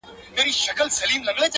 په اولس کي به دي ږغ «منظورومه »!!